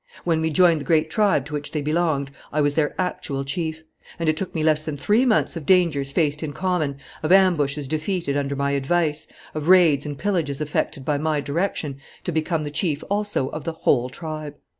When we joined the great tribe to which they belonged I was their actual chief. And it took me less than three months of dangers faced in common, of ambushes defeated under my advice, of raids and pillages effected by my direction, to become the chief also of the whole tribe.